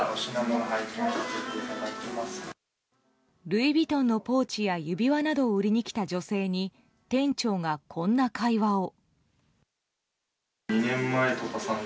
ルイ・ヴィトンのポーチや指輪などを売りに来た女性に店長が、こんな会話を。